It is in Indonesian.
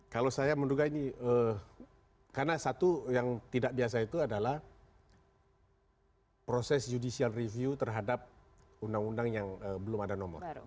kalau saya menduga ini karena satu yang tidak biasa itu adalah proses judicial review terhadap undang undang yang belum ada nomor